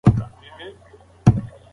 هغه ماشوم چې خپله ژبه زده کوي وده کوي.